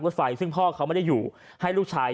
ก็ได้พลังเท่าไหร่ครับ